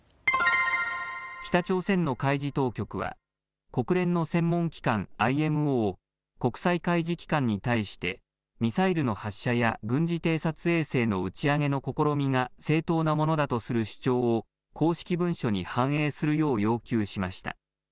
北朝鮮の海事当局は国連の専門機関、ＩＭＯ・国際海事機関に対してミサイルの発射や軍事偵察衛星の打ち上げの試みが正当なものだとする主張を公式文書に反映するよう要求しました。